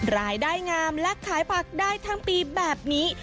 รายได้งามและขายผักได้ทั้งปีแบบนี้